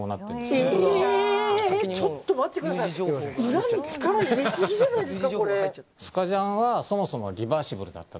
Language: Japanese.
裏に力入れすぎじゃないですか。